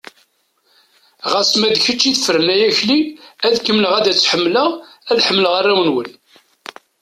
Ɣas ma d kečč i tefren ay Akli, ad kemmleɣ ad tt-ḥemmleɣ, ad ḥemmleɣ arraw-nwen.